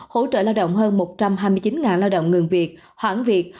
hỗ trợ lao động hơn một trăm hai mươi chín lao động ngừng việc hoãn việc